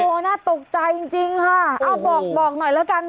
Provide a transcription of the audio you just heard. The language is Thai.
โอ้โฮน่าตกใจจริงค่ะเอาบอกหน่อยแล้วกัน